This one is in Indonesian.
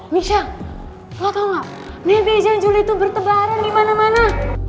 misha lo tau gak nih bejan juli tuh bertebaran dimana mana